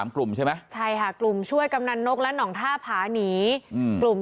กลุ่มใช่ไหมใช่ค่ะกลุ่มช่วยกำนันนกและห่องท่าผาหนีกลุ่ม